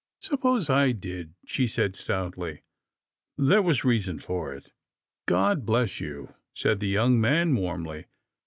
" Suppose I did," she said stoutly, " there was reason in it." " God bless you," said the young man warmly.